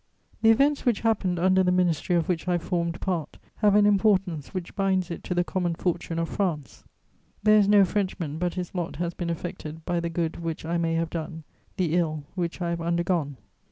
The events which happened under the ministry of which I formed part have an importance which binds it to the common fortune of France: there is no Frenchman but his lot has been affected by the good which I may have done, the ill which I have undergone.